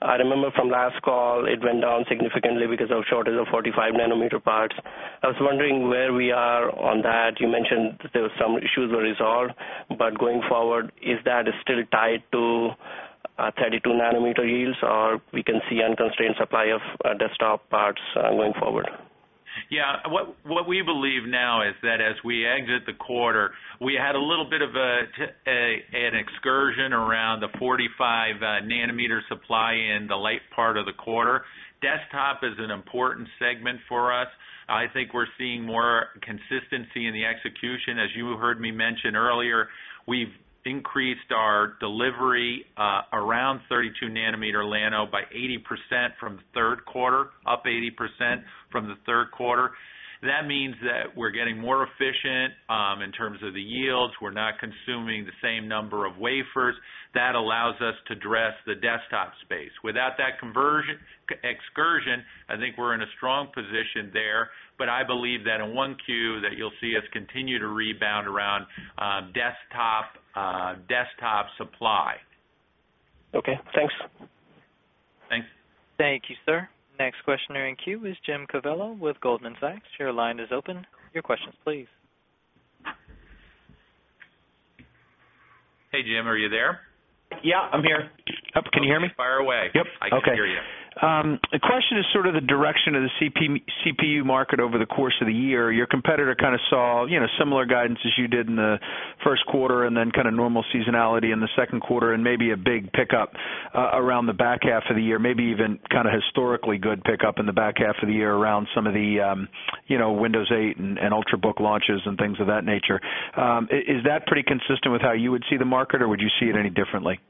I remember from last call, it went down significantly because of a shortage of 45 nm parts. I was wondering where we are on that. You mentioned that there were some issues that were resolved, but going forward, is that still tied to 32 nm yields, or we can see unconstrained supply of desktop parts going forward? Yeah, what we believe now is that as we exit the quarter, we had a little bit of an excursion around the 45 nm supply in the late part of the quarter. Desktop is an important segment for us. I think we're seeing more consistency in the execution. As you heard me mention earlier, we've increased our delivery around 32 nm Llano by 80% from the third quarter, up 80% from the third quarter. That means that we're getting more efficient in terms of the yields. We're not consuming the same number of wafers. That allows us to address the desktop space. Without that excursion, I think we're in a strong position there. I believe that in 1Q that you'll see us continue to rebound around desktop supply. Okay, thanks. Thanks. Thank you, sir. Next questioner in queue is Jim Covello with Goldman Sachs. Your line is open. Your questions, please. Hey, Jim, are you there? Yeah, I'm here. Can you hear me? Fire away. I can hear you. Okay. The question is sort of the direction of the CPU market over the course of the year. Your competitor kind of saw similar guidance as you did in the first quarter, and then kind of normal seasonality in the second quarter, and maybe a big pickup around the back half of the year, maybe even kind of historically good pickup in the back half of the year around some of the Windows 8 and ultrabook launches and things of that nature. Is that pretty consistent with how you would see the market, or would you see it any differently?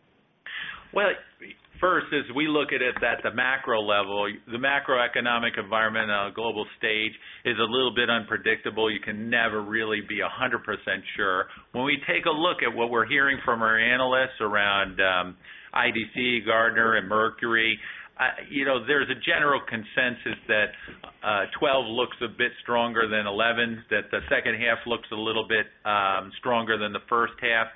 As we look at it at the macro level, the macroeconomic environment on a global stage is a little bit unpredictable. You can never really be 100% sure. When we take a look at what we're hearing from our analysts around IDC, Gartner, and Mercury, there's a general consensus that 2012 looks a bit stronger than 2011, that the second half looks a little bit stronger than the first half.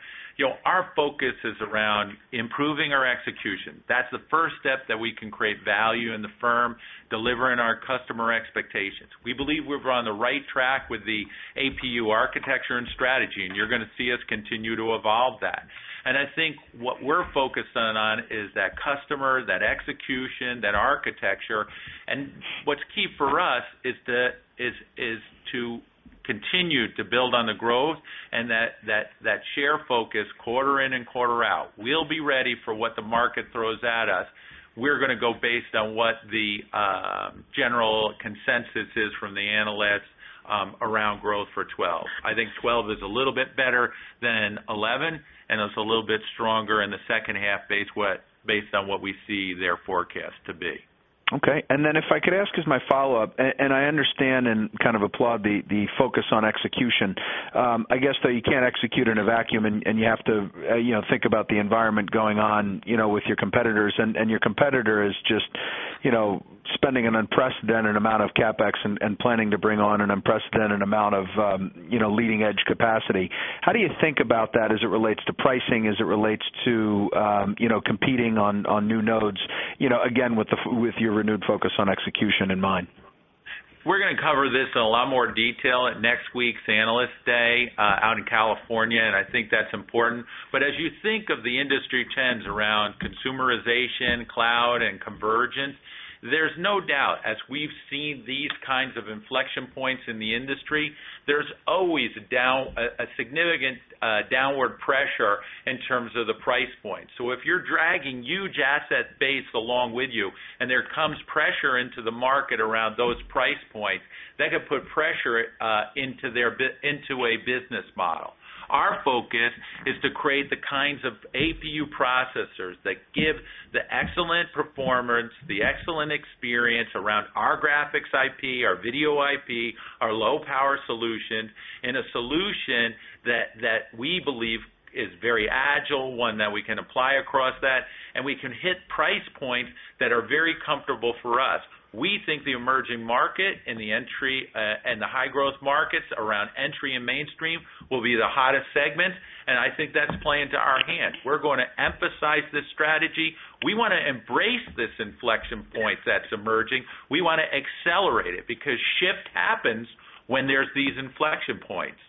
Our focus is around improving our execution. That's the first step that we can create value in the firm, delivering our customer expectations. We believe we're on the right track with the APU architecture and strategy, and you're going to see us continue to evolve that. I think what we're focused on is that customer, that execution, that architecture, and what's key for us is to continue to build on the growth and that share focus quarter in and quarter out. We'll be ready for what the market throws at us. We're going to go based on what the general consensus is from the analysts around growth for 2012. I think 2012 is a little bit better than 2011 and is a little bit stronger in the second half based on what we see their forecast to be. Okay, and then if I could ask as my follow-up, I understand and kind of applaud the focus on execution. I guess though you can't execute in a vacuum and you have to think about the environment going on with your competitors, and your competitor is just spending an unprecedented amount of CapEx and planning to bring on an unprecedented amount of leading-edge capacity. How do you think about that as it relates to pricing, as it relates to competing on new nodes, again, with your renewed focus on execution in mind? We're going to cover this in a lot more detail at next week's Analyst Day out in California, and I think that's important. As you think of the industry trends around consumerization, cloud, and convergence, there's no doubt, as we've seen these kinds of inflection points in the industry, there's always a significant downward pressure in terms of the price points. If you're dragging huge asset base along with you and there comes pressure into the market around those price points, that could put pressure into a business model. Our focus is to create the kinds of APU processors that give the excellent performance, the excellent experience around our graphics IP, our video IP, our low-power solutions, in a solution that we believe is very agile, one that we can apply across that, and we can hit price points that are very comfortable for us. We think the emerging market and the high-growth markets around entry and mainstream will be the hottest segments, and I think that's playing to our hands. We're going to emphasize this strategy. We want to embrace this inflection point that's emerging. We want to accelerate it because shift happens when there's these inflection points.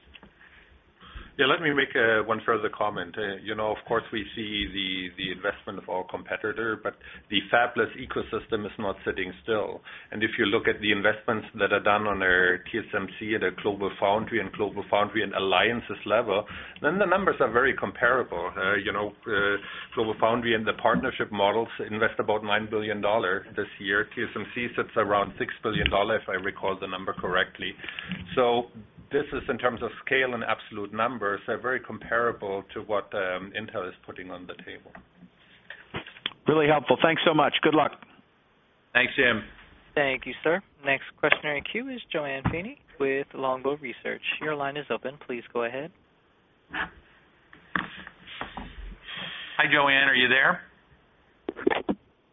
Yeah, let me make one further comment. You know, of course, we see the investment of our competitor, but the fabless ecosystem is not sitting still. If you look at the investments that are done under TSMC and GlobalFoundries and GlobalFoundries and Alliance's level, then the numbers are very comparable. You know, GlobalFoundries and the partnership models invest about $9 billion this year. TSMC sits around $6 billion, if I recall the number correctly. This is in terms of scale and absolute numbers, they're very comparable to what Intel is putting on the table. Really helpful. Thanks so much. Good luck. Thanks, Jim. Thank you, sir. Next questioner in queue is JoAnne Feeney with Longbow Research. Your line is open. Please go ahead. Hi, Joanne. Are you there?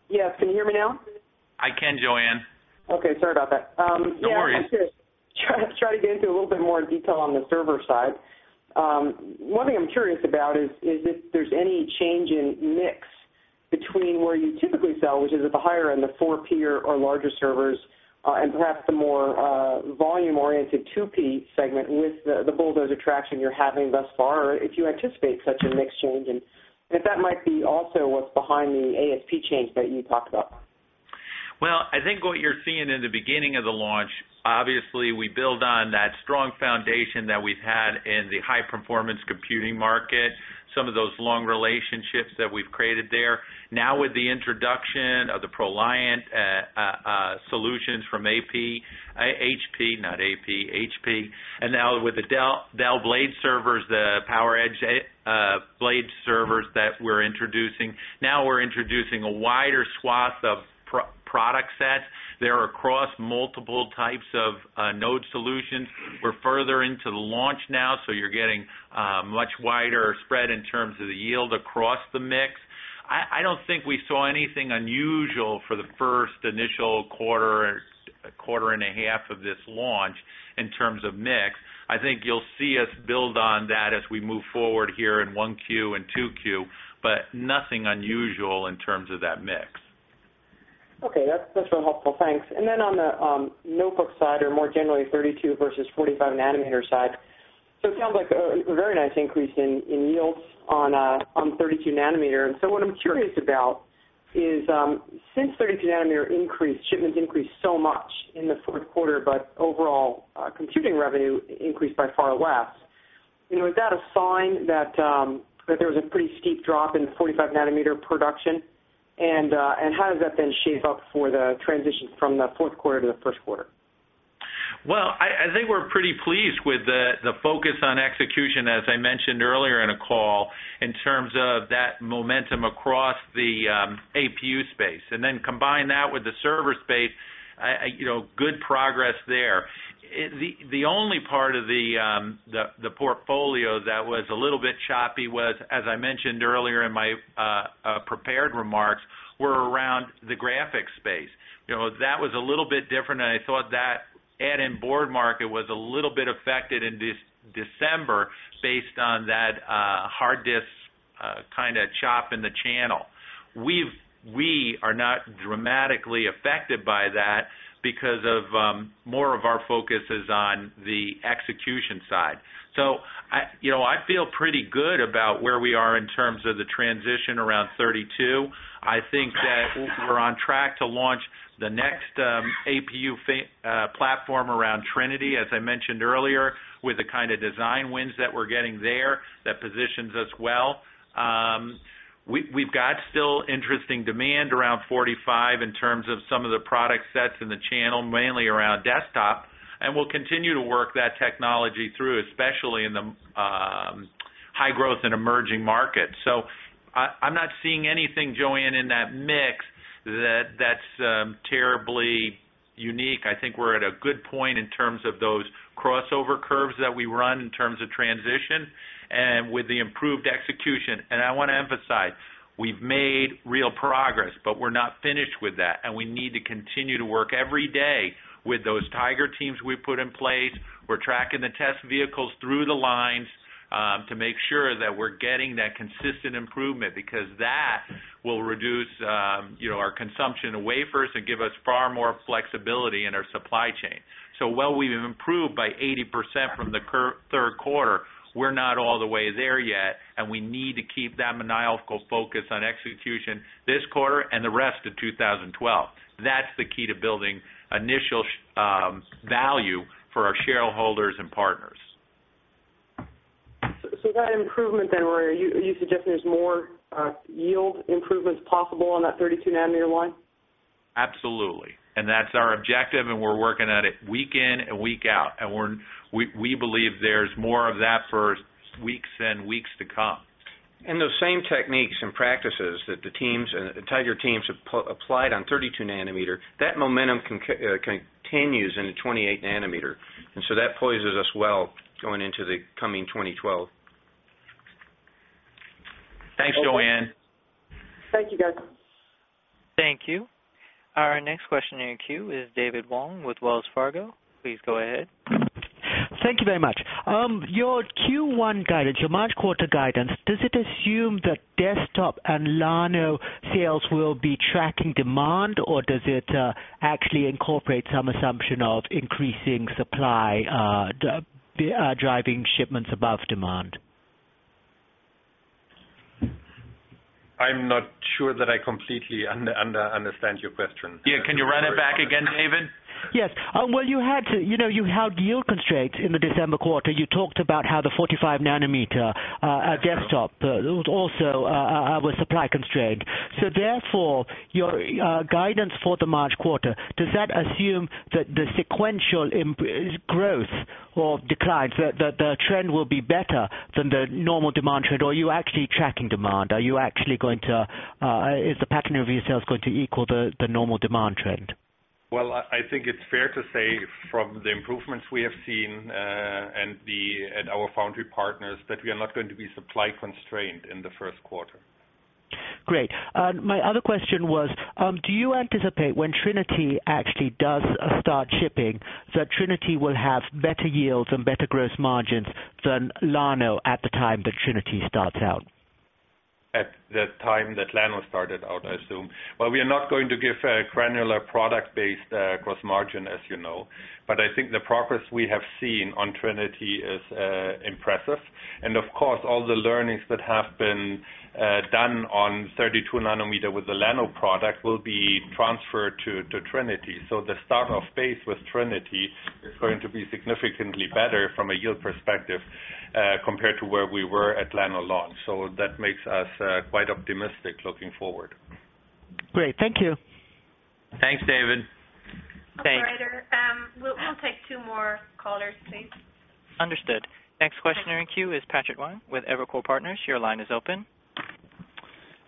Yes, can you hear me now? I can, Joanne. Okay, sorry about that. No worries. I'm curious, trying to get into a little bit more detail on the server side. One thing I'm curious about is if there's any change in mix between where you typically sell, which is at the higher end, the 4P or larger servers, and perhaps the more volume-oriented 2P segment with the Bulldozer traction you're having thus far, or if you anticipate such a mix change, and if that might be also what's behind the ASP change that you talked about. I think what you're seeing in the beginning of the launch, obviously, we build on that strong foundation that we've had in the high-performance computing market, some of those long relationships that we've created there. Now, with the introduction of the ProLiant solutions from HP, not AP, HP, and now with the Dell Blade servers, the PowerEdge Blade servers that we're introducing, now we're introducing a wider swath of product sets. They're across multiple types of node solutions. We're further into the launch now, so you're getting a much wider spread in terms of the yield across the mix. I don't think we saw anything unusual for the first initial quarter, quarter and a half of this launch in terms of mix. I think you'll see us build on that as we move forward here in 1Q and 2Q, but nothing unusual in terms of that mix. Okay, that's really helpful. Thanks. On the notebook side, or more generally 32 nm versus 45 nm side, it sounds like a very nice increase in yields on 32 nm. What I'm curious about is since 32 nm increase, shipments increased so much in the fourth quarter, but overall computing revenue increased by far less. Is that a sign that there was a pretty steep drop in 45 nm production? How does that then shape up for the transition from the fourth quarter to the fifth quarter? I think we're pretty pleased with the focus on execution, as I mentioned earlier in the call, in terms of that momentum across the APU space. Then combine that with the server space, you know, good progress there. The only part of the portfolio that was a little bit choppy was, as I mentioned earlier in my prepared remarks, around the graphics space. You know, that was a little bit different, and I thought that add-in board market was a little bit affected in December based on that hard disk kind of chop in the channel. We are not dramatically affected by that because more of our focus is on the execution side. You know, I feel pretty good about where we are in terms of the transition around 32 nm. I think that we're on track to launch the next APU platform around Trinity, as I mentioned earlier, with the kind of design wins that we're getting there that positions us well. We've got still interesting demand around 45 nm in terms of some of the product sets in the channel, mainly around desktop, and we'll continue to work that technology through, especially in the high-growth and emerging markets. I'm not seeing anything, Joanne, in that mix that's terribly unique. I think we're at a good point in terms of those crossover curves that we run in terms of transition and with the improved execution. I want to emphasize, we've made real progress, but we're not finished with that, and we need to continue to work every day with those Tiger teams we put in place. We're tracking the test vehicles through the lines to make sure that we're getting that consistent improvement because that will reduce, you know, our consumption of wafers and give us far more flexibility in our supply chain. While we've improved by 80% from the third quarter, we're not all the way there yet, and we need to keep that monolithic focus on execution this quarter and the rest of 2012. That's the key to building initial value for our shareholders and partners. That improvement then, Rory, you suggest there's more yield improvements possible on that 32 nm line? Absolutely. That is our objective, and we're working on it week in and week out. We believe there's more of that for weeks and weeks to come. Those same techniques and practices that the teams, the Tiger teams have applied on 32 nm, that momentum continues into 28 nm. That poises us well going into the coming 2012. Thanks, Joanne. Thank you, guys. Thank you. Our next questioner in queue is David Wong with Wells Fargo. Please go ahead. Thank you very much. Your Q1 guidance, your March quarter guidance, does it assume that desktop and Llano sales will be tracking demand, or does it actually incorporate some assumption of increasing supply driving shipments above demand? I'm not sure that I completely understand your question. Yeah, can you run it back again, David? You had yield constraints in the December quarter. You talked about how the 45 nm desktop also was supply constrained. Therefore, your guidance for the March quarter, does that assume that the sequential growth or decline, that the trend will be better than the normal demand trend, or are you actually tracking demand? Are you actually going to, is the pattern of your sales going to equal the normal demand trend? I think it's fair to say from the improvements we have seen and our foundry partners that we are not going to be supply constrained in the first quarter. Great. My other question was, do you anticipate when Trinity actually does start shipping that Trinity will have better yields and better gross margins than Llano at the time that Trinity starts out? At the time that Llano started out, I assume. We are not going to give a granular product-based gross margin, as you know, but I think the progress we have seen on Trinity is impressive. Of course, all the learnings that have been done on 32 nm with the Llano product will be transferred to Trinity. The startup phase with Trinity is going to be significantly better from a yield perspective compared to where we were at Llano launch. That makes us quite optimistic looking forward. Great, thank you. Thanks, David. Thanks. Hi there, we'll take two more callers, please. Understood. Next questioner in queue is Patrick Wang with Evercore Partners. Your line is open.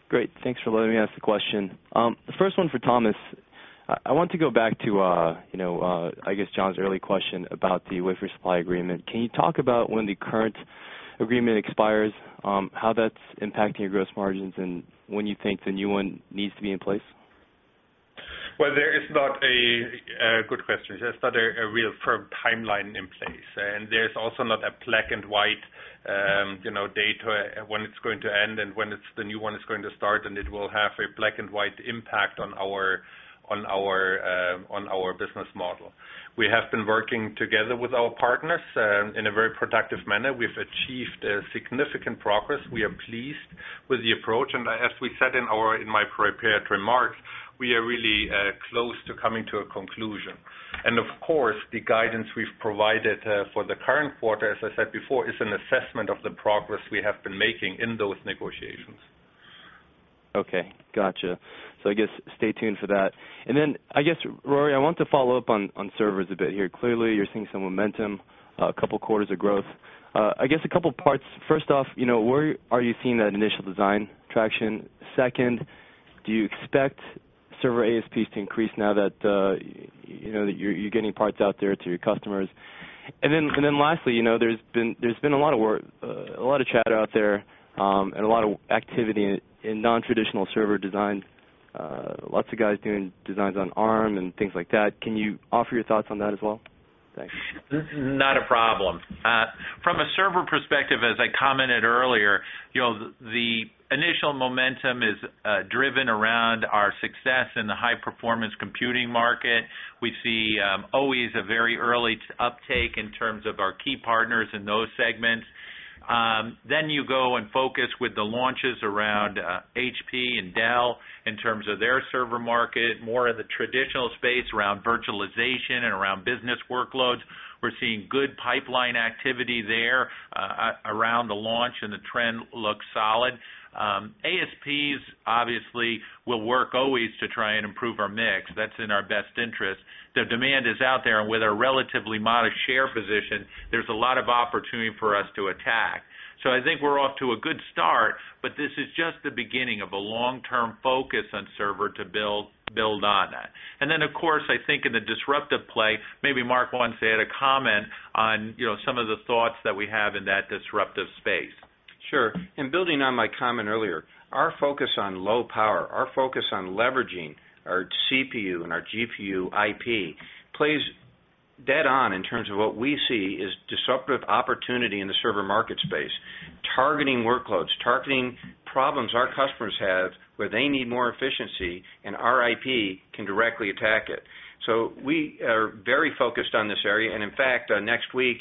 Great, thanks for letting me ask the question. The first one for Thomas. I want to go back to, you know, I guess John's early question about the wafer supply agreement. Can you talk about when the current agreement expires, how that's impacting your gross margins, and when you think the new one needs to be in place? There is not a good question. There's not a real firm timeline in place. There's also not a black and white, you know, date when it's going to end and when the new one is going to start, and it will have a black and white impact on our business model. We have been working together with our partners in a very productive manner. We've achieved significant progress. We are pleased with the approach. As we said in my prepared remarks, we are really close to coming to a conclusion. Of course, the guidance we've provided for the current quarter, as I said before, is an assessment of the progress we have been making in those negotiations. Okay, gotcha. I guess stay tuned for that. Rory, I want to follow up on servers a bit here. Clearly, you're seeing some momentum, a couple quarters of growth. I guess a couple parts. First off, where are you seeing that initial design traction? Do you expect server ASPs to increase now that you're getting parts out there to your customers? Lastly, there's been a lot of work, a lot of chat out there, and a lot of activity in non-traditional server design. Lots of guys doing designs on ARM and things like that. Can you offer your thoughts on that as well? Not a problem. From a server perspective, as I commented earlier, the initial momentum is driven around our success in the high-performance computing market. We see always a very early uptake in terms of our key partners in those segments. You go and focus with the launches around HP and Dell in terms of their server market, more in the traditional space around virtualization and around business workloads. We're seeing good pipeline activity there around the launch, and the trend looks solid. ASPs obviously will work always to try and improve our mix. That's in our best interest. The demand is out there, and with a relatively modest share position, there's a lot of opportunity for us to attack. I think we're off to a good start, but this is just the beginning of a long-term focus on server to build on that. Of course, I think in the disruptive play, maybe Mark wants to add a comment on some of the thoughts that we have in that disruptive space. Sure. Building on my comment earlier, our focus on low power, our focus on leveraging our CPU and our GPU IP plays dead on in terms of what we see as disruptive opportunity in the server market space, targeting workloads, targeting problems our customers have where they need more efficiency, and our IP can directly attack it. We are very focused on this area, and in fact, next week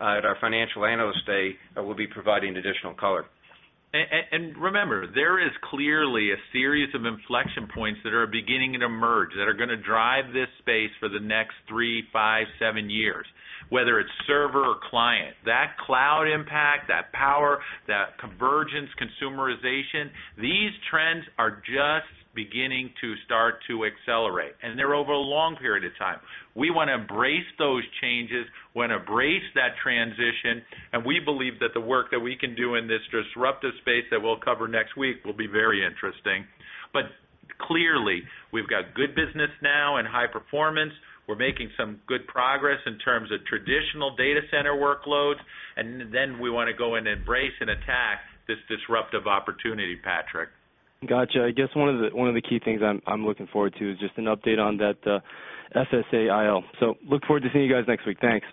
at our Financial Analyst Day, we'll be providing additional color. There is clearly a series of inflection points that are beginning to emerge that are going to drive this space for the next three, five, seven years, whether it's server or client. That cloud impact, that power, that convergence, consumerization, these trends are just beginning to start to accelerate, and they're over a long period of time. We want to embrace those changes, we want to embrace that transition, and we believe that the work that we can do in this disruptive space that we'll cover next week will be very interesting. Clearly, we've got good business now and high performance. We're making some good progress in terms of traditional data center workloads, and then we want to go and embrace and attack this disruptive opportunity, Patrick. Gotcha. I guess one of the key things I'm looking forward to is just an update on that SSAIL. I look forward to seeing you guys next week. Thanks.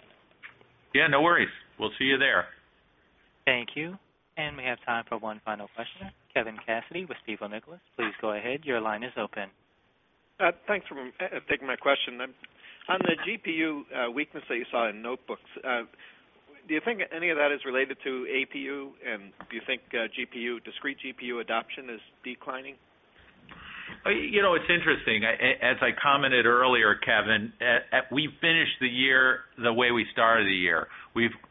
Yeah, no worries. We'll see you there. Thank you. We have time for one final question. Kevin Cassidy with Stifel, please go ahead. Your line is open. Thanks for taking my question. On the GPU weakness that you saw in notebooks, do you think any of that is related to APU, and do you think GPU, discrete GPU adoption is declining? You know, it's interesting. As I commented earlier, Kevin, we finished the year the way we started the year.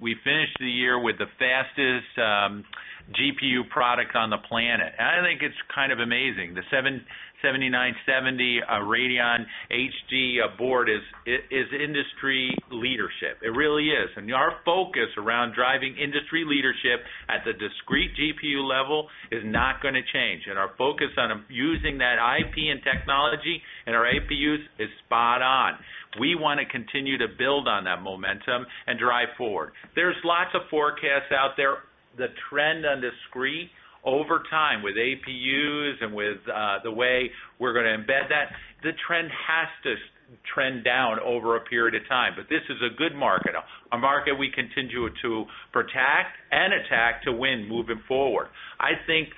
We finished the year with the fastest GPU products on the planet. I think it's kind of amazing. The Radeon HD 7970 board is industry leadership. It really is. Our focus around driving industry leadership at the discrete GPU level is not going to change. Our focus on using that IP and technology in our APUs is spot on. We want to continue to build on that momentum and drive forward. There's lots of forecasts out there. The trend on discrete over time with APUs and with the way we're going to embed that, the trend has to trend down over a period of time. This is a good market, a market we continue to protect and attack to win moving forward. I think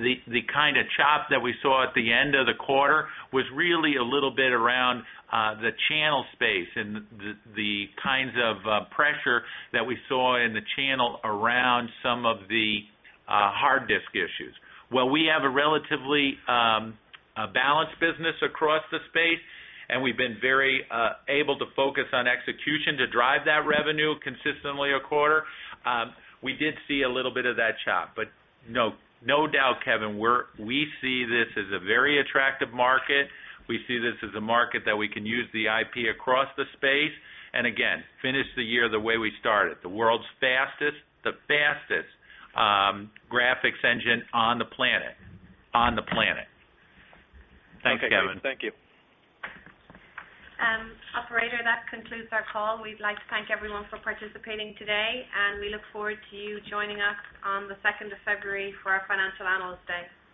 the kind of chop that we saw at the end of the quarter was really a little bit around the channel space and the kinds of pressure that we saw in the channel around some of the hard disk issues. We have a relatively balanced business across the space, and we've been very able to focus on execution to drive that revenue consistently a quarter. We did see a little bit of that chop. No doubt, Kevin, we see this as a very attractive market. We see this as a market that we can use the IP across the space. Again, finish the year the way we started. The world's fastest, the fastest graphics engine on the planet. On the planet. Thanks, Kevin. Thank you. Operator, that concludes our call. We'd like to thank everyone for participating today, and we look forward to you joining us on the 2nd of February for our Financial Analyst Day.